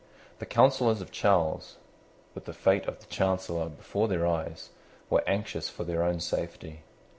The counsellors of Charles, with the fate of the Chancellor before their eyes, were anxious for their own safety.